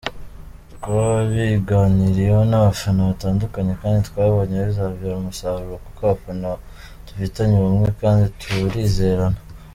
Twabiganiriyeho n’abafana batandukanye kandi twabonye bizabyara umusaruro kuko abafana dufitanye ubumwe kandi turizerana.